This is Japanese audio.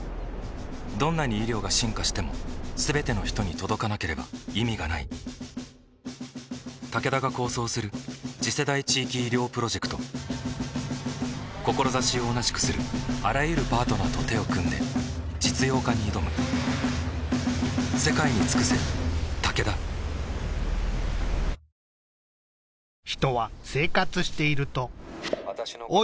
どんなに医療が進化しても全ての人に届かなければ意味がないタケダが構想する次世代地域医療プロジェクト志を同じくするあらゆるパートナーと手を組んで実用化に挑むチチンペイペイソフトバンク！待ってました！